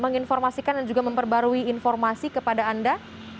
menginformasikan dan juga memperbarui informasi kepada anda